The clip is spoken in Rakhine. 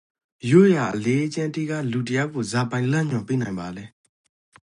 ရိုးရာအလေ့အကျင့်တိကလူတစ်ယောက်ကိုဇာပိုင် လမ်းညွှန်ပီးနိုင်ပါလေ?